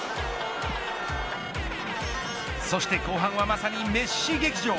そして後半はまさにメッシ劇場。